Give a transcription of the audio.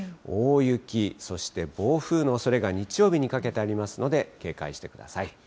大雪、そして暴風のおそれが、日曜日にかけてありますので、警戒してください。